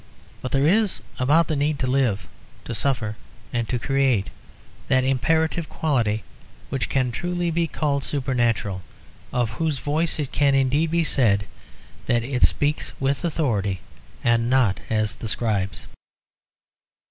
But there is about the need to live, to suffer, and to create that imperative quality which can truly be called supernatural, of whose voice it can indeed be said that it speaks with authority, and not as the scribes.